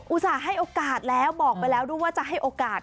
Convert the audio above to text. อุตส่าห์ให้โอกาสแล้วบอกไปแล้วด้วยว่าจะให้โอกาส